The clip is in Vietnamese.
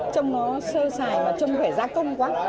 trông nó sơ sài mà trông khỏe gia công quá